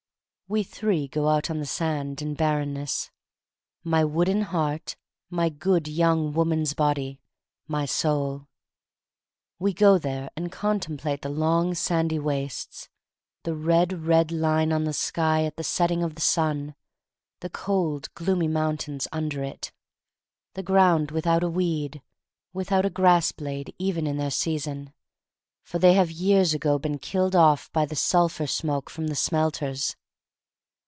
* We three go out on the sand and barrenness: my wooden heart, my good young woman's body, my soul. We go there and contemplate the long sandy wastes, the red, red line on the sky at the setting of the sun, the cold gloomy mountains under it, the ground without a weed, without a grass blade even in their season — for they have years ago been killed off by the sulphur smoke from the smelters.